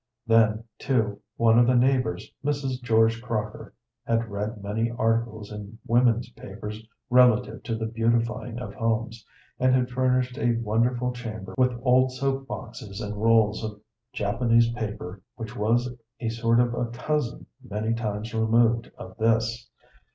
Then, too, one of the neighbors, Mrs. George Crocker, had read many articles in women's papers relative to the beautifying of homes, and had furnished a wonderful chamber with old soap boxes and rolls of Japanese paper which was a sort of a cousin many times removed of this.